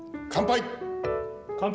乾杯。